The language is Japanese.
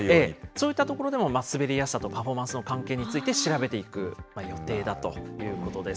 そういったところでも滑りやすさとパフォーマンスの関係について調べていく予定だということです。